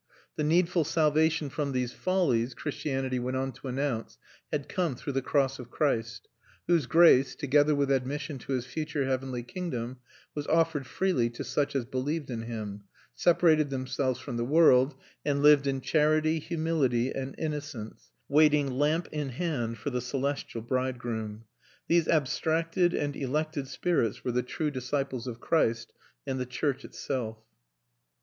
The needful salvation from these follies, Christianity went on to announce, had come through the cross of Christ; whose grace, together with admission to his future heavenly kingdom, was offered freely to such as believed in him, separated themselves from the world, and lived in charity, humility, and innocence, waiting lamp in hand for the celestial bridegroom. These abstracted and elected spirits were the true disciples of Christ and the church itself.